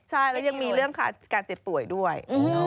ใช่แล้วยังมีเรื่องการเจ็บป่วยด้วย